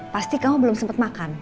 pasti kamu belum sempat makan